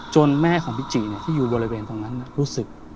จนแม่ของพี่จิเนี่ยที่อยู่บริเวณตรงนั้นรู้สึก